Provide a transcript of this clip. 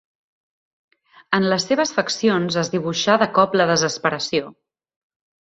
En les seves faccions es dibuixà de cop la desesperació.